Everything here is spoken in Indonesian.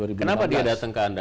kenapa dia datang ke anda